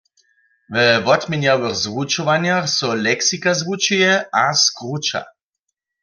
We wotměnjawych zwučowanjach so leksika zwučuje a skruća.